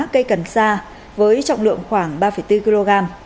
cây cần sa với trọng lượng khoảng ba bốn kg